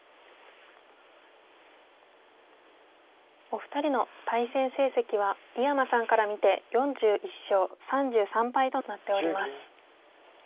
お二人の対戦成績は井山さんから見て４１勝３３敗となっております。